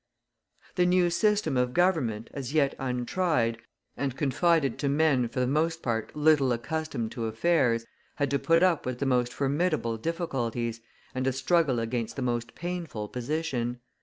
The new system of government, as yet untried, and confided to men for the most part little accustomed to affairs, had to put up with the most formidable difficulties, and to struggle against the most painful position.